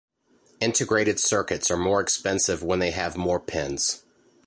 Integrated circuits are more expensive when they have more pins.